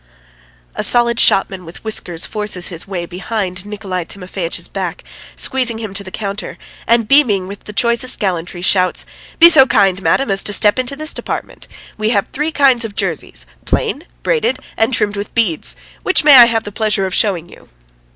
A solid shopman with whiskers forces his way behind Nikolay Timofeitch's back, squeezing him to the counter, and beaming with the choicest gallantry, shouts: "Be so kind, madam, as to step into this department. We have three kinds of jerseys: plain, braided, and trimmed with beads! Which may I have the pleasure of showing you?"